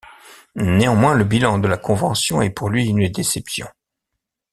Néanmoins, le bilan de la convention est pour lui une déception.